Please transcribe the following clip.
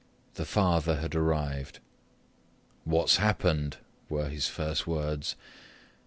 The father had arrived. "What's happened?" were his first words.